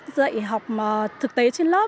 dạy học thực tế trên lớp